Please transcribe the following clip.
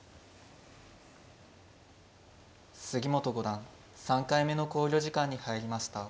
杉本五段３回目の考慮時間に入りました。